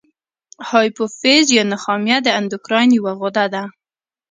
هایپوفیز یا نخامیه د اندوکراین یوه غده ده.